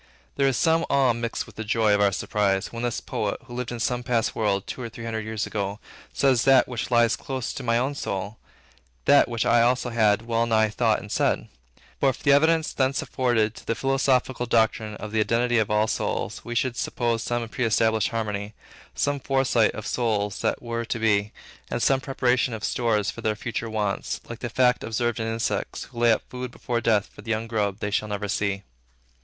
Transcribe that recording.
There is some awe mixed with the joy of our surprise, when this poet, who lived in some past world, two or three hundred years ago, says that which lies close to my own soul, that which I also had wellnigh thought and said. But for the evidence thence afforded to the philosophical doctrine of the identity of all minds, we should suppose some preestablished harmony, some foresight of souls that were to be, and some preparation of stores for their future wants, like the fact observed in insects, who lay up food before death for the young grub they shall never see.